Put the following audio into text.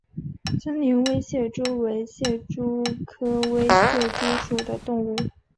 森林微蟹蛛为蟹蛛科微蟹蛛属的动物。